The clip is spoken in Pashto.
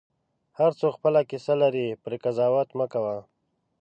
هر څوک خپله کیسه لري، پرې قضاوت مه کوه.